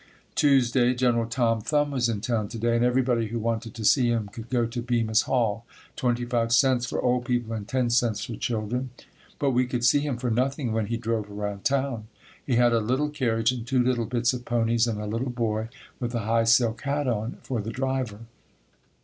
Tuesday. General Tom Thumb was in town to day and everybody who wanted to see him could go to Bemis Hall. Twenty five cents for old people, and 10 cents for children, but we could see him for nothing when he drove around town. He had a little carriage and two little bits of ponies and a little boy with a high silk hat on, for the driver.